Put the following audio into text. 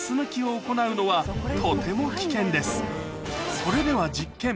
それでは実験